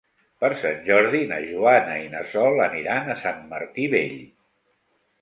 Per Sant Jordi na Joana i na Sol aniran a Sant Martí Vell.